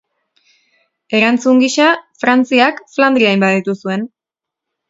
Erantzun gisa, Frantziak Flandria inbaditu zuen.